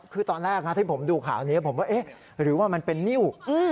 คือตอนแรกที่ผมดูข่าวนี้ผมก็เอ๊ะหรือว่ามันเป็นนิ้ว